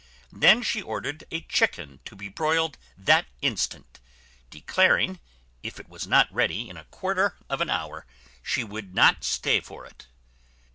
She then ordered a chicken to be broiled that instant, declaring, if it was not ready in a quarter of an hour, she would not stay for it.